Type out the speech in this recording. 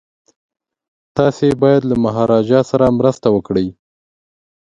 تاسي باید له مهاراجا سره مرسته وکړئ.